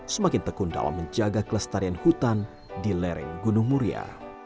semakin tekun dalam menjaga kelestarian hutan di lereng gunung muria